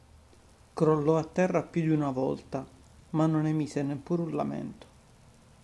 Crollò a terra più di una volta ma non emise neppure un lamento.